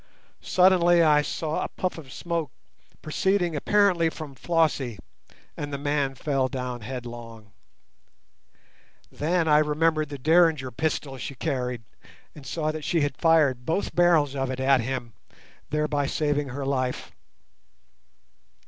Suddenly I saw a puff of smoke proceeding apparently from Flossie, and the man fell down headlong. Then I remembered the Derringer pistol she carried, and saw that she had fired both barrels of it at him, thereby saving her life.